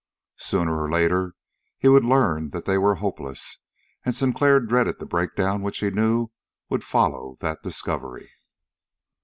Sooner or later he would learn that they were hopeless, and Sinclair dreaded the breakdown which he knew would follow that discovery.